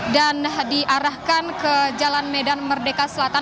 dan diarahkan ke jalan medan merdeka selatan